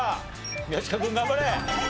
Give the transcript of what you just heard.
宮近君頑張れ。